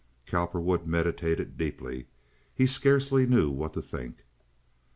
Cowperwood meditated deeply. He scarcely knew what to think.